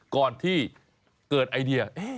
ก่อนที่เกิดไอเดีย